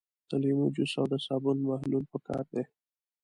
د لیمو جوس او د صابون محلول پکار دي.